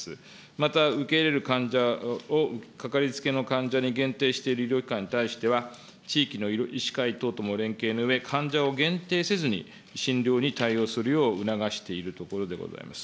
また、受け入れる患者をかかりつけの患者に限定している医療機関に対しては、地域の医師会等とも連携のうえ、患者を限定せずに診療に対応するよう促しているところでございます。